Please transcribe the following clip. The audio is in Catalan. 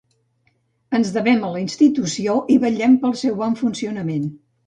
Ens devem a la institució i vetllem pel seu bon funcionament.